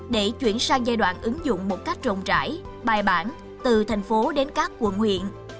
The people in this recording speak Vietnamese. để chuyển sang giai đoạn ứng dụng một cách rộng rãi bài bản từ thành phố đến các quận huyện